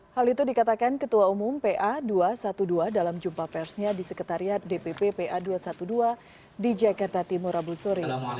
hal itu dikatakan ketua umum pa dua ratus dua belas dalam jumpa persnya di sekretariat dpp pa dua ratus dua belas di jakarta timur abu suri